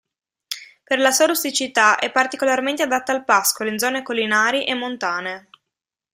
Per la sua rusticità, è particolarmente adatta al pascolo, in zone collinari e montane.